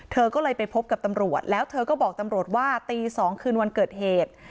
เธอก็เลยไปพบกับตำรวจแล้วเธอก็บอกตำรวจว่าตี๒คืนวันเกิดเหตุ